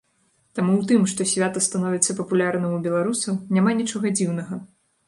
Таму ў тым, што свята становіцца папулярным у беларусаў, няма нічога дзіўнага.